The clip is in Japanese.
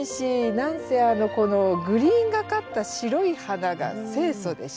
何せこのグリーンがかった白い花が清楚でしょ？